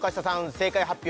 正解発表